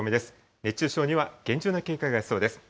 熱中症には厳重な警戒が必要です。